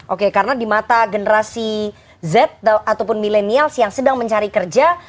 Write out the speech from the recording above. oke karena di mata generasi z ataupun millenials yang sedang mencari kerja